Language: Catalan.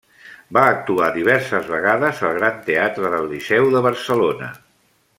Va actuar diverses vegades al Gran Teatre del Liceu de Barcelona.